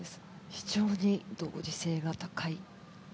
非常に同時性が高い。